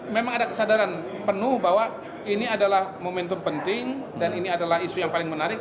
memang ada kesadaran penuh bahwa ini adalah momentum penting dan ini adalah isu yang paling menarik